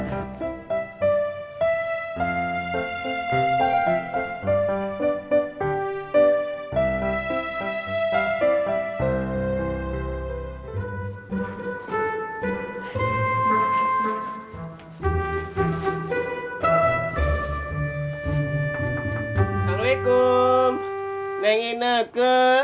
assalamualaikum neng enek